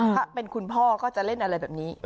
ถ้าเป็นคุณพ่อก็จะเล่นอะไรแบบนี้